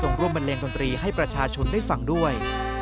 ร่วมบันเลงดนตรีให้ประชาชนได้ฟังด้วย